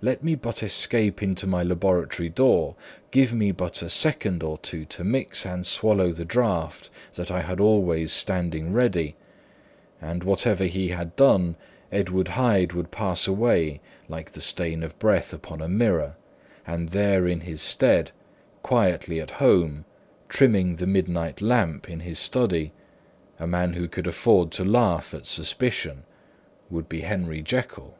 Let me but escape into my laboratory door, give me but a second or two to mix and swallow the draught that I had always standing ready; and whatever he had done, Edward Hyde would pass away like the stain of breath upon a mirror; and there in his stead, quietly at home, trimming the midnight lamp in his study, a man who could afford to laugh at suspicion, would be Henry Jekyll.